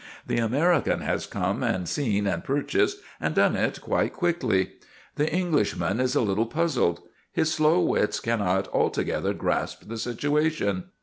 The American has come and seen and purchased and done it quite quickly. The Englishman is a little puzzled; his slow wits cannot altogether grasp the situation.